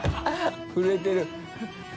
震えてる。